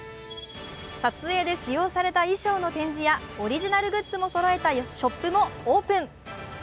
撮影で使用された衣装の展示やオリジナルグッズをそろえたショップもオープン。